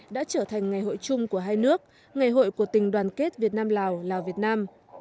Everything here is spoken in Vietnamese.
đã trở thành ngày hội chung của hai nước ngày hội của tình đoàn kết việt nam lào lào việt nam